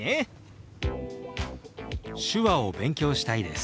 「手話を勉強したいです」。